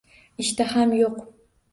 Ishtaham yo'q.